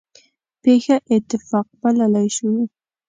پېښه اتفاق بللی شو.